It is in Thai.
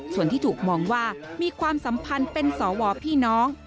ส่วนที่ถูกมองว่ามีความสัมพันธ์เป็นสวพี่น้อง